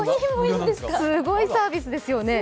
すごいサービスですよね。